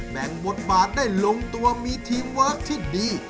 แบ่งบทบาทได้ลงตัวมีทีมเวิร์คที่ดี